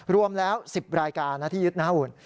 รวมแล้ว๑๐รายการที่ยึดนะฮาวุ่น